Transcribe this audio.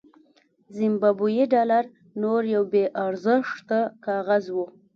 زیمبابويي ډالر نور یو بې ارزښته کاغذ و.